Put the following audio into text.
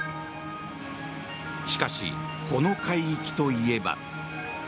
しかしこの海域といえば。